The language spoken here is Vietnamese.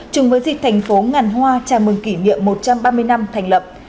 chung với dịch thành phố ngàn hoa trà mừng kỷ niệm một trăm ba mươi năm thành lập